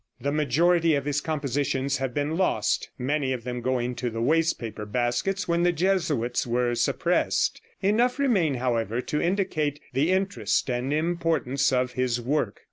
The majority of his compositions have been lost, many of them going to the waste paper baskets when the Jesuits were suppressed. Enough remain, however, to indicate the interest and importance of his work.